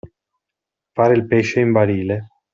Fare il pesce in barile.